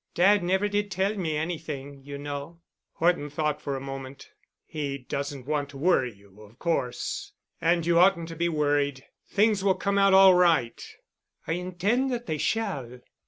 Dad never did tell me anything, you know." Horton thought for a moment. "He doesn't want to worry you, of course. And you oughtn't to be worried. Things will come out all right." "I intend that they shall.